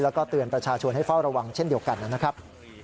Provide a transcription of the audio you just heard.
แล้วก็เตือนประชาชนให้เฝ้าระวังเช่นเดียวกันนะครับ